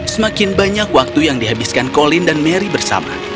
semakin banyak waktu yang dihabiskan colin dan mary bersama